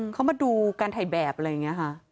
เขามาดูการถ่ายแบบอะไรอย่างนี้ค่ะ